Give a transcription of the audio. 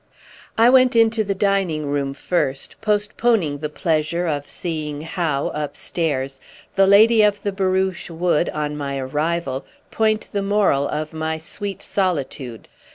I went into the dining room first, postponing the pleasure of seeing how, upstairs, the lady of the barouche would, on my arrival, point the moral of my sweet solicitude.